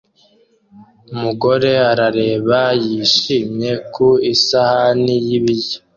Umugore arareba yishimye ku isahani y'ibiryo